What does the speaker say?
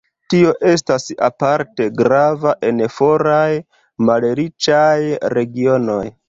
Tio estas aparte grava en foraj malriĉaj regionoj.